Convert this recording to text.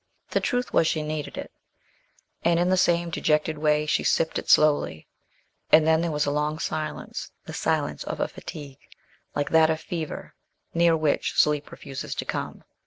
The truth was she needed it; and in the same dejected way she sipped it slowly; and then there was a long silence the silence of a fatigue, like that of fever, near which sleep refuses to come.